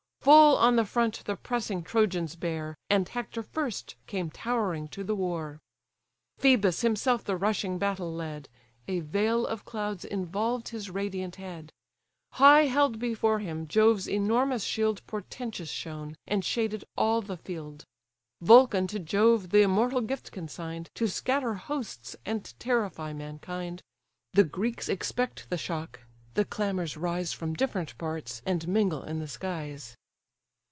Full on the front the pressing Trojans bear, And Hector first came towering to the war. Phœbus himself the rushing battle led; A veil of clouds involved his radiant head: High held before him, Jove's enormous shield Portentous shone, and shaded all the field; Vulcan to Jove the immortal gift consign'd, To scatter hosts and terrify mankind, The Greeks expect the shock, the clamours rise From different parts, and mingle in the skies.